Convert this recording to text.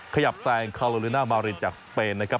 ขยับแซงคาโลลิน่ามารินจากสเปนนะครับ